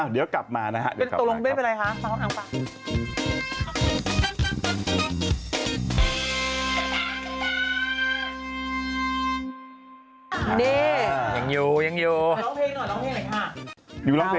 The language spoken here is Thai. เดี๋ยวกลับมานะฮะเดี๋ยวเข้ามา